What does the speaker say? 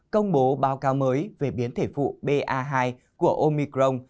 công bố báo cáo mới về biến thể phụ ba hai của omicron